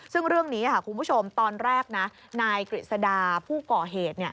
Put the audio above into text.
ซึ่งเรื่องนี้คุณผู้ชมตอนแรกนะนายกฤษดาผู้ก่อเหตุ